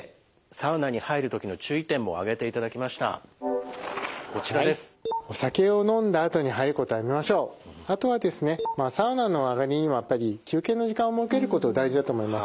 サウナの上がりにはやっぱり休憩の時間を設けること大事だと思います。